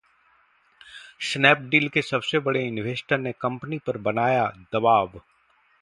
Snapdeal के सबसे बड़े इनवेस्टर ने कंपनी पर बनाया दबाव